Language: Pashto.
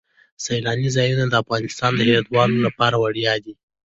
سیلانی ځایونه د افغانستان د هیوادوالو لپاره ویاړ دی.